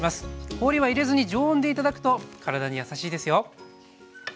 氷は入れずに常温で頂くと体にやさしいですよ。